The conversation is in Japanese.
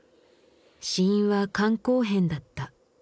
死因は肝硬変だった。